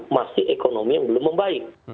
masih ekonomi yang belum membaik